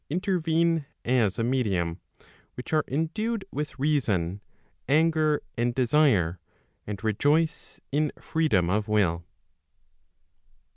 499 Intervene as a medium, which are endued with reason, anger and desire, and rejoice in freedom of will.